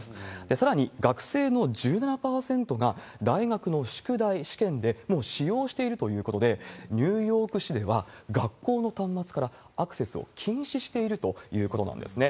さらに、学生の１７％が、大学の宿題試験でもう使用しているということで、ニューヨーク市では学校の端末からアクセスを禁止しているということなんですね。